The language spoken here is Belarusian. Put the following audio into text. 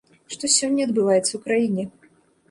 Што сёння адбываецца ў краіне?